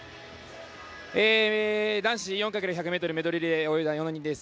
男子４×１００ｍメドレーリレーを泳いだ４人です。